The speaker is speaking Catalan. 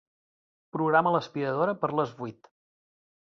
Programa l'aspiradora per a les vuit.